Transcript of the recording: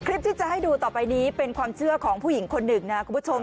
คลิปที่จะให้ดูต่อไปนี้เป็นความเชื่อของผู้หญิงคนหนึ่งนะคุณผู้ชม